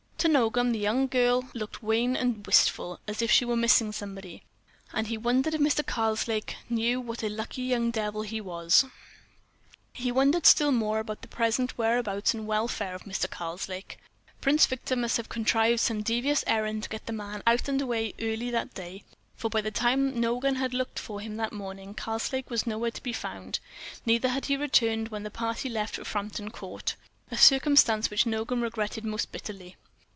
To Nogam the young girl looked wan and wistful—as if she were missing somebody. And he wondered if Mr. Karslake knew what a lucky young devil he was. He wondered still more about the present whereabouts and welfare of Mr. Karslake. Prince Victor must have contrived some devious errand to get the young man out and away early that day; for by the time Nogam had looked for him in the morning, Karslake was nowhere to be found; neither had he returned when the party left for Frampton Court—a circumstance which Nogam regretted most bitterly.